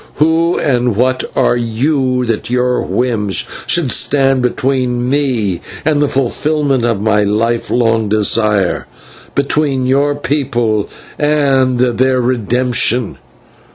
Who and what are you that your whims should stand between me and the fulfilment of my lifelong desire, between your people and their redemption?